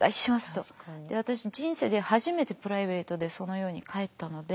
で私人生で初めてプライベートでそのように帰ったので。